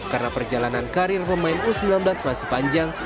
karena perjalanan karir pemain u sembilan belas masih panjang